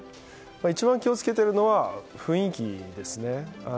一番気を付けているのは雰囲気ですね。